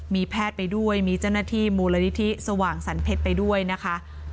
มีแพทย์ไปด้วยมีเจ้าหน้าที่มูลนิธิสว่างสรรเพชรไปด้วยนะคะ